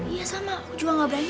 iya sama juga gak berani